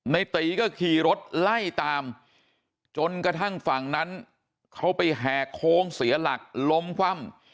ในตีก็ขี่รถไล่ตามจนกระทั่งฝั่งนั้นเขาไปแหกโค้งเสียหลักล้มคว่ำ